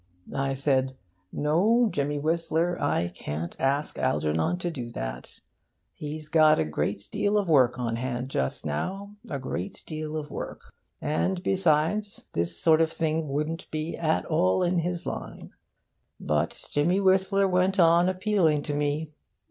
I said "No, Jimmy Whistler, I can't ask Algernon to do that. He's got a great deal of work on hand just now a great deal of work. And besides, this sort of thing wouldn't be at all in his line." But Jimmy Whistler went on appealing to me.